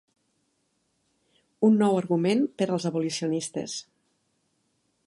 Un nou argument per als abolicionistes.